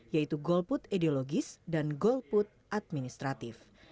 yaitu golput ideologis dan golput administratif